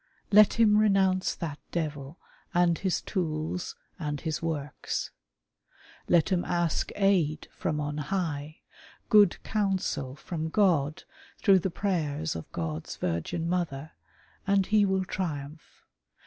Let him renounce that devil and his tools and his works. Let him ask aid from on High — Good Counsel from God through the prayers of God's Virgin Mother, and he will triumph.